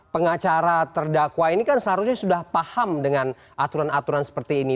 pengacara terdakwa ini kan seharusnya sudah paham dengan aturan aturan seperti ini